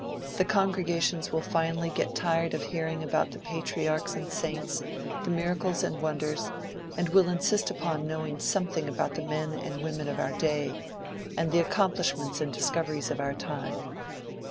The congregations will finally get tired of hearing about the patriarchs and saints, the miracles and wonders, and will insist upon knowing something about the men and women of our day, and the accomplishments and discoveries of our time.